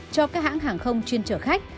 cho các hãng hàng không chuyên chở khách